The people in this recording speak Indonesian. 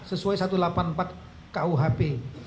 sesuai satu ratus delapan puluh empat kuhp